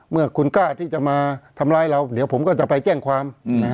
เมื่อคุณกล้าที่จะมาทำร้ายเราเดี๋ยวผมก็จะไปแจ้งความ